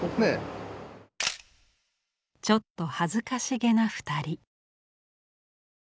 ちょっと恥ずかしげな２人。